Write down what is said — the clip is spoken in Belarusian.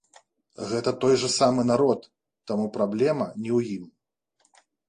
Гэта той жа самы народ, таму праблема не ў ім.